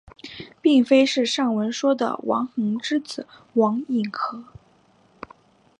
并非是上文说的王桓之子王尹和。